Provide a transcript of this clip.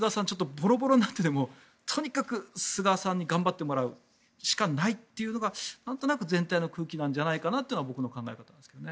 ボロボロになってでもとにかく菅さんに頑張ってもらうしかないというのがなんとなく全体の空気なんじゃないかなっていうのが僕の考えなんですけどね。